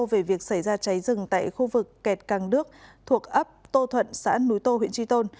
về việc xảy ra cháy rừng tại khu vực kẹt càng đước thuộc ấp tô thuận xã núi tô huyện tri tôn